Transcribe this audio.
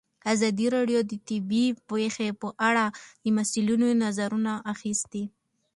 ازادي راډیو د طبیعي پېښې په اړه د مسؤلینو نظرونه اخیستي.